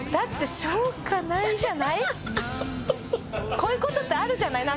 こういう事ってあるじゃないなんか。